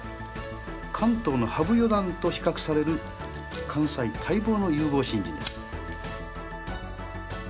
関東の羽生四段と比較される関西待望の有望新人です。